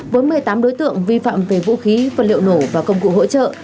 với một mươi tám đối tượng vi phạm về vũ khí vật liệu nổ và công cụ hỗ trợ